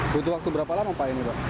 butuh waktu berapa lama pak ini pak